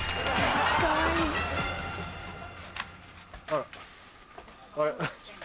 あらあれ？